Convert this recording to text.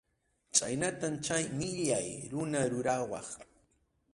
Chhaynatam chay millay runa rurawaq.